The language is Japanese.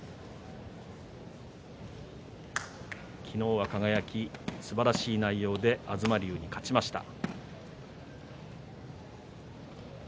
昨日は輝、すばらしい内容で東龍に勝ちました。